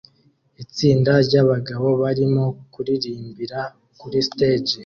Itsinda ryabagabo barimo kuririmbira kuri stage